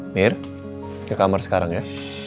mir di kamar sekarang ya